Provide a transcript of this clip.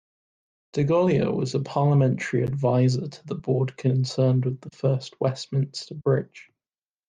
Desaguliers was a parliamentary adviser to the board concerned with the first Westminster Bridge.